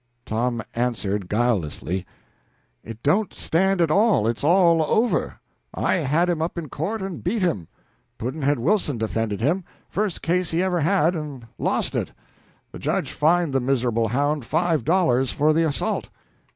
Tom answered guilelessly: "It don't stand at all; it's all over. I had him up in court and beat him. Pudd'nhead Wilson defended him first case he ever had, and lost it. The judge fined the miserable hound five dollars for the assault."